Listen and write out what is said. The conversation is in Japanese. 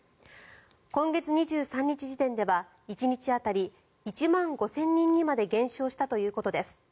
今月２３日時点では１日当たり１万５０００人にまで減少したということです。